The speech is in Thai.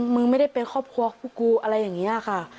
มึงไม่ได้เป็นครอบครัวกูอะไรอย่างนี้ค่ะ